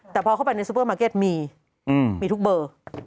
แต่พอเข้าไปในซูเปอร์มาร์เก็ตมีมีทุกเบอร์